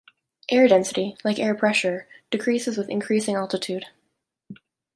Air density, like air pressure, decreases with increasing altitude.